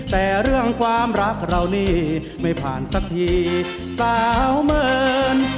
แต่เรื่องความรักเหล่านี้ไม่ผ่านสักทีกล่าวเหมือน